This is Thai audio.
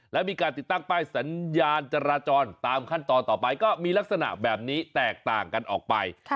และมีการติดตั้งป้ายสัญญาณจราจรตามขั้นตอนต่อไปก็มีลักษณะแบบนี้แตกต่างกันออกไป